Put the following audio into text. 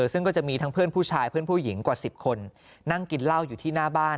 ซึ่งก็จะมีทั้งเพื่อนผู้ชายเพื่อนผู้หญิงกว่า๑๐คนนั่งกินเหล้าอยู่ที่หน้าบ้าน